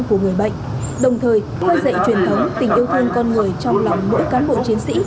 của người bệnh đồng thời khơi dậy truyền thống tình yêu thương con người trong lòng mỗi cán bộ chiến sĩ